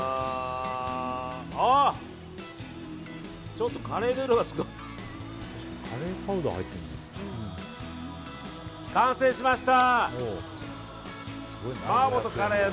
ちょっとカレーの色がすごい。完成しました！